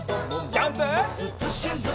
ジャンプ！